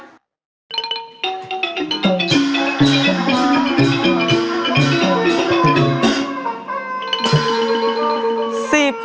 เป๊ะครับ